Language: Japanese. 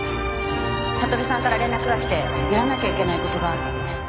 悟さんから連絡がきてやらなきゃいけない事があるって。